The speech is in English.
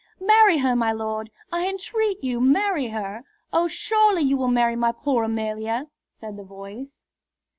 "Marry her, my lord! I entreat you to marry her! Oh, surely you will marry my poor Amelia!" said the voice.